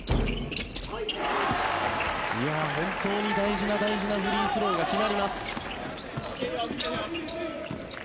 本当に大事な大事なフリースローが決まります。